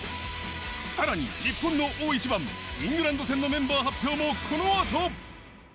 さらに日本の大一番、イングランド戦のメンバー発表もこの後。